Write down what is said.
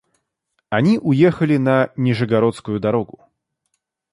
Они уехали на Нижегородскую дорогу.